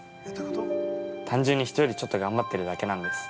単純に人よりちょっと頑張ってるだけなんです。